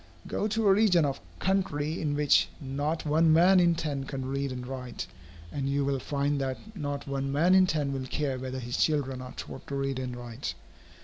Go to a region of country in which not one man in ten can read and write, and you will find that not one man in ten will care whether his children are taught to read and write.